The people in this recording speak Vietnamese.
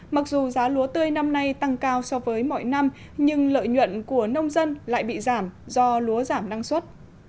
mặc dù giá lúa tươi năm nay tăng cao so với mọi năm nhưng lợi nhuận của nông dân lại bị giảm do lúa giảm năng suất